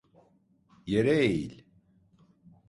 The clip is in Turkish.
Yere eğil!